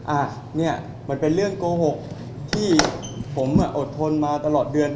อ่ะเนี่ยมันเป็นเรื่องโกหกที่ผมอดทนมาตลอดเดือน